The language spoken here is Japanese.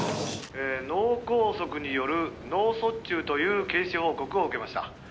「脳こうそくによる脳卒中という検視報告を受けました」